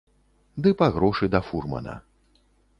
Ды па грошы да фурмана.